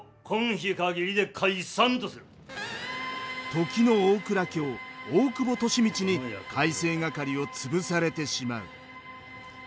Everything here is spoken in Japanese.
時の大蔵卿大久保利通に改正掛を潰されてしまう。